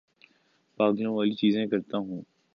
پاگلوں والی چیزیں کرتا ہوں